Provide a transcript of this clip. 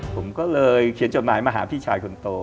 ผมก็เลยเขียนจดหมายมาหาพี่ชายคนโต